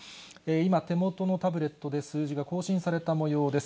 今、手元のタブレットで数字が更新されたもようです。